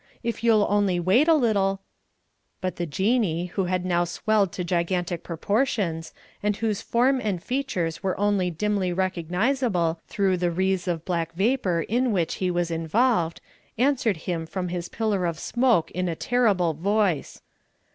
If you'll only wait a little " But the Jinnee, who had now swelled to gigantic proportions, and whose form and features were only dimly recognisable through the wreaths of black vapour in which he was involved, answered him from his pillar of smoke in a terrible voice.